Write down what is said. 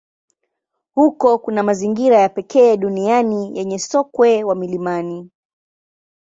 Huko kuna mazingira ya pekee duniani yenye sokwe wa milimani.